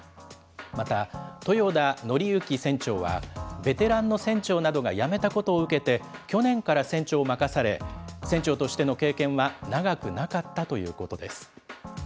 また、豊田徳幸船長は、ベテランの船長などが辞めたことを受けて、去年から船長を任され、船長としての経験は長くなかったということです。